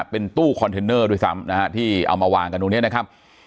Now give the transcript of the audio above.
เป็นตู้คอนเทนเนอร์ด้วยซ้ำนะฮะที่เอามาวางกันตรงนี้นะครับ